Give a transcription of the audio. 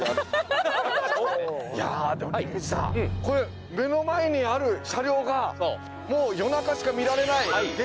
いやでも礼二さんこれ目の前にある車両がもう夜中しか見られない激